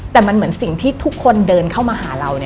แต่มันเหมือนสิ่งที่ทุกคนเดินเข้ามาหาเรา